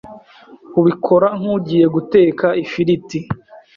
ubikora nk’ugiye guteka ifiriti